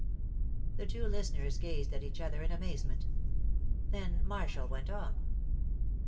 The two listeners gazed at each other in amazement. Then Marshall went on.